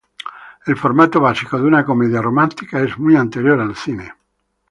El formato básico de una comedia romántica es muy anterior al cine.